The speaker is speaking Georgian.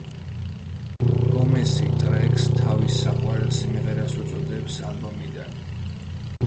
გომესი ტრეკს თავის საყვარელ სიმღერას უწოდებს ალბომიდან.